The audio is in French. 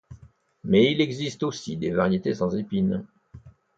Mais il existe aussi des variétés sans épines.